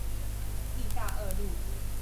義大二路